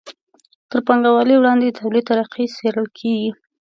تر پانګوالۍ وړاندې د توليد طریقې څیړل کیږي.